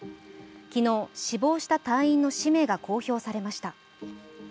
昨日、死亡した隊員の氏名が公表されました。